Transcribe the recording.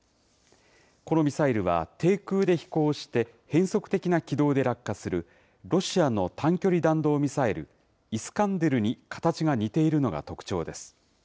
このミサイルは、低空で飛行して、変則的な軌道で落下するロシアの短距離弾道ミサイル、イスカンデルに形が似ているのが特徴です。